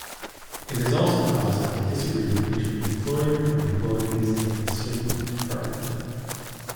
It is also caused by disagreement between employer and employees in a certain department.